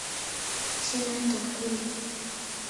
shina ta kule